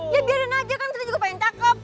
ya biarin aja kan kita juga pengen take